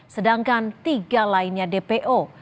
sedangkan tiga lainnya dpo